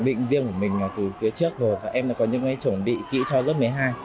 định riêng của mình từ phía trước rồi các em đã có những chuẩn bị kỹ cho lớp một mươi hai